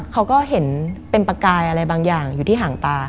เขาก็เห็นเป็นประกายอะไรบางอย่างอยู่ที่ห่างตา